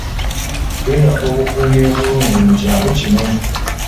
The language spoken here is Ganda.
Twetaaga obukuumi obulungi mu kyalo kino.